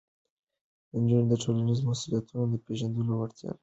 نجونې د ټولنیزو مسؤلیتونو د پېژندلو وړتیا مومي.